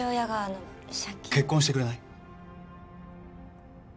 結婚してくれない？